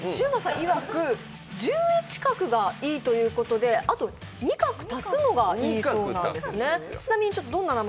いわく１１画がいいということであと２画足すのがいいそうなんですね。